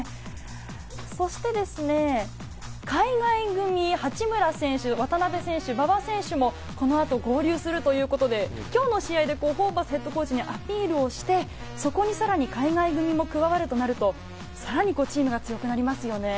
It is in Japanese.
そして、海外組、八村選手、渡邊選手、馬場選手もこの後、合流するということで、今日の試合でホーバスＨＣにアピールをして、そこにさらに海外組も加わるとなると、さらにチームが強くなりますね。